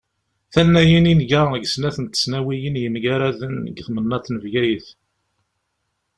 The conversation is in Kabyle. Tannayin i nga deg snat n tesnawiyin yemgaraden deg temnaḍt n Bgayet.